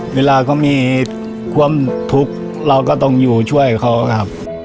เวลาเขามีความทุกข์เราก็ต้องอยู่ช่วยเขาครับ